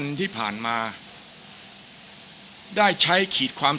ได้ใช้ขีดความสามารถที่พิสูจน์ความผิด